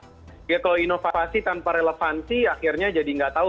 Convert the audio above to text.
jadi kalau inovasi tanpa relevansi akhirnya jadi nggak tahu